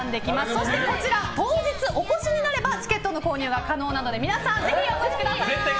そして、こちら当日お越しになればチケットの購入が可能なので皆さん、ぜひお越しください。